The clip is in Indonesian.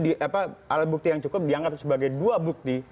itu alat bukti yang cukup dianggap sebagai dua bukti